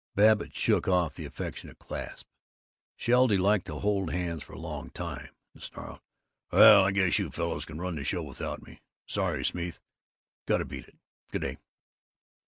Babbitt shook off the affectionate clasp Sheldy liked to hold hands for a long time and snarled, "Well, I guess you fellows can run the show without me. Sorry, Smeeth; got to beat it. G'day."